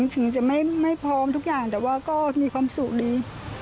ถึงจะไม่พร้อมทุกอย่างแต่ว่าก็มีความสุขดี